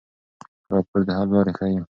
راپور د حل لارې ښيي.